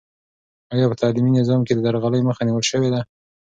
آیا په تعلیمي نظام کې د درغلۍ مخه نیول سوې ده؟